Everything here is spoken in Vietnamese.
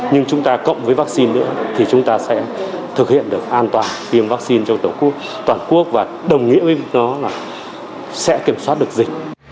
nhưng chúng ta cộng với vaccine nữa thì chúng ta sẽ thực hiện được an toàn tiêm vaccine trong toàn quốc và đồng nghĩa với nó là sẽ kiểm soát được dịch